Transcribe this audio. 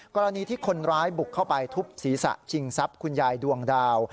กรณีที่คนร้ายบุกเข้าไปทุบศีรษะชิงทรัพย์คุณยายดวงดาว